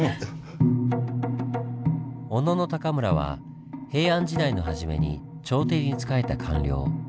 小野篁は平安時代の初めに朝廷に仕えた官僚。